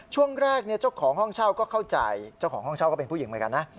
ช่วงแรกเจ้าของห้องเช่าก็เข้าใจเจ้าของห้องเช่าก็เป็นผู้หญิงเหมือนกันนะ